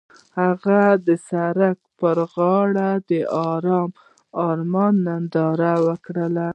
هغوی د سړک پر غاړه د آرام آرمان ننداره وکړه.